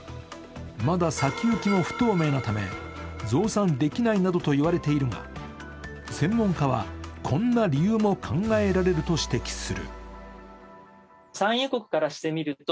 まだ先行きが不透明なため増産できないなどと言われているが、専門家はこんな理由も考えられると指摘する。